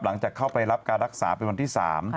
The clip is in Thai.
หลังจากเข้าไปรับการรักษาเป็นวันที่๓